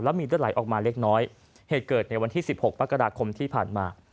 มีเลือดไหลออกมาเล็กน้อยเหตุเกิดในวันที่๑๖มกราคมที่ผ่านมา